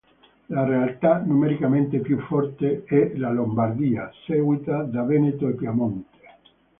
La realtà numericamente più forte è la Lombardia, seguita da Veneto e Piemonte.